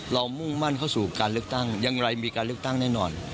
มุ่งมั่นเข้าสู่การเลือกตั้งอย่างไรมีการเลือกตั้งแน่นอน